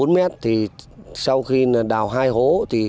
bốn m thì sau khi đào hai hố